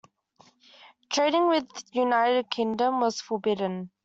Trading with the United Kingdom was forbidden.